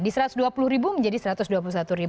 di rp satu ratus dua puluh menjadi rp satu ratus dua puluh satu